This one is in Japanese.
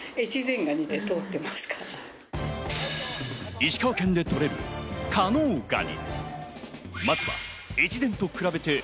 石川県で取れる加能がに。